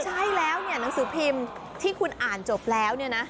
ใช่แล้วเนี่ยหนังสือพิมพ์ที่คุณอ่านจบแล้วเนี่ยนะ